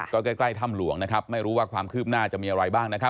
ก็ใกล้ถ้ำหลวงไม่รู้ว่าความครืบหน้าจะมีอะไรบ้าง